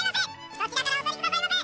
そちらからおとりくださいませ。